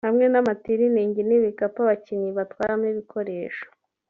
hamwe n’amatiliningi n’ibikapu abakinnyi batwaramo ibikoresho